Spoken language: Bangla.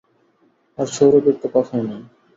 আর, সৌরভীর তো কথাই নাই।